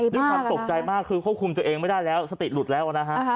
ด้วยความตกใจมากคือควบคุมตัวเองไม่ได้แล้วสติหลุดแล้วนะฮะ